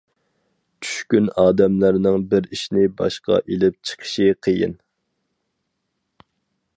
چۈشكۈن ئادەملەرنىڭ بىر ئىشنى باشقا ئېلىپ چىقىشى قىيىن.